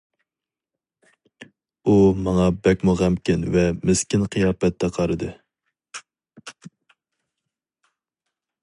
ئۇ ماڭا بەكمۇ غەمكىن ۋە مىسكىن قىياپەتتە قارىدى.